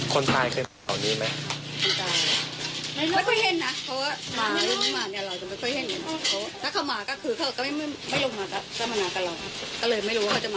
คนที่มาค่ะตอนนี้ไหม